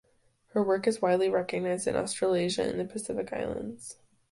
Her work is widely recognized in Australasia and the Pacific Islands.